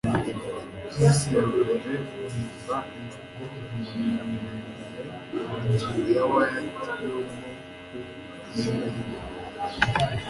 Chris yabanje guhimba imvugo "umurizo muremure" mu ngingo ya Wired yo mu ku izina rimwe.